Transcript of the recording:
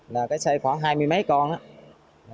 là cái xe khoảng hai mươi mấy con